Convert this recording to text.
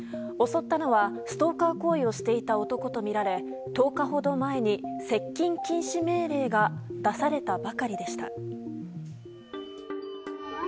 襲ったのはストーカー行為をしていた男とみられ１０日ほど前に接近禁止命令が出されたばかりでした。